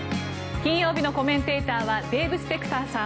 金曜日のコメンテーターはデーブ・スペクターさん